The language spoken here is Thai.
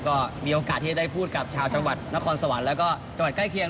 ก็มีโอกาสที่จะได้พูดกับชาวจังหวัดนครสวรรค์แล้วก็จังหวัดใกล้เคียง